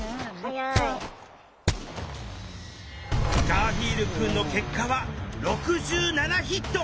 ガーフィールくんの結果は６７ヒット！